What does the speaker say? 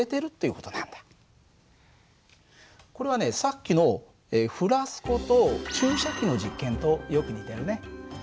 さっきのフラスコと注射器の実験とよく似てるね。